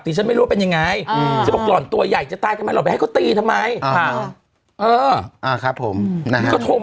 ตีฉันไม่รู้ว่าเป็นยังไงอึงคือบอกหล่อนตัวใหญ่ก็จะตายกันเปล่าแหละให้เขาตีทำไม